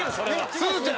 すずちゃん